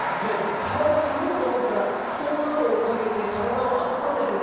体、寒いと思ったら布団などをかけて体を温めて。